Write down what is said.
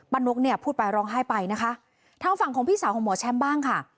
นกเนี่ยพูดไปร้องไห้ไปนะคะทางฝั่งของพี่สาวของหมอแชมป์บ้างค่ะ